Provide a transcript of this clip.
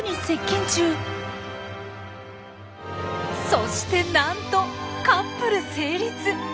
そしてなんとカップル成立！